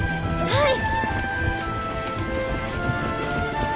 はい！